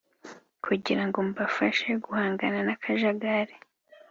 kugira ngo mbafashe guhangana n akajagari